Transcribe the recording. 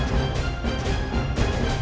saya sudah berhenti